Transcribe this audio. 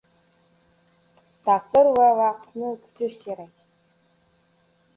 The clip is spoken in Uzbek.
• Taqdir va vaqtni kutish kerak.